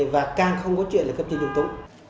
và càng không có chuyện là cấp trên trung tố